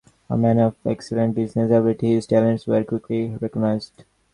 A man of excellent business ability, his talents were quickly recognized.